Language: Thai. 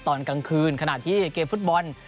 ตอนกลางคืนขณะที่เกมฟุตบอล